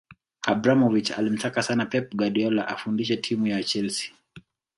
Abramovic alimtaka sana Pep Guardiola afundishe timu ya chelsea